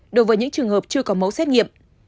đối với những trường hợp chưa có mẫu xét nghiệm